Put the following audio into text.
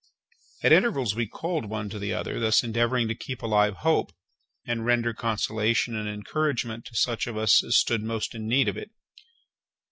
At intervals we called one to the other, thus endeavouring to keep alive hope, and render consolation and encouragement to such of us as stood most in need of it.